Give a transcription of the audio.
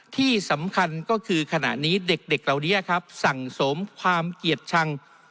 ที่สำคัญก็คือขณะนี้เด็กเหล่านี้ครับสั่งสมความเกียรติชัง